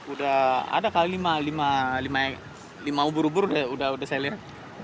udah ada kali lima ubur ubur udah saya lihat